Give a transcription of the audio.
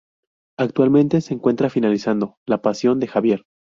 Actualmente se encuentra finalizando "La pasión de Javier".